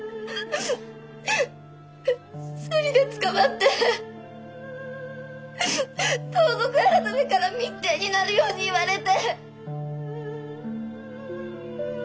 掏摸で捕まって盗賊改から密偵になるように言われて。